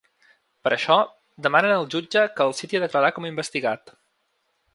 Per això, demanen al jutge que el citi a declarar com a investigat.